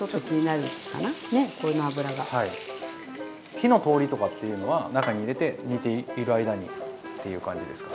火の通りとかっていうのは中に入れて煮ている間にっていう感じですか？